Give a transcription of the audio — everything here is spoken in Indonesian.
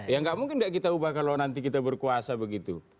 ya nggak mungkin tidak kita ubah kalau nanti kita berkuasa begitu